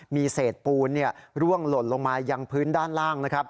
มีเศษปูนร่วงหล่นลงมายังพื้นด้านล่างนะครับ